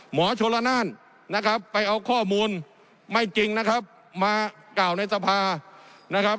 หมอชนละนานนะครับไปเอาข้อมูลไม่จริงนะครับมากล่าวในสภานะครับ